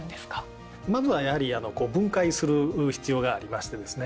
まずはやはり分解する必要がありましてですね